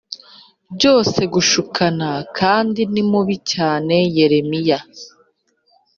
Byose gushukana kandi ni mubi cyane yeremiya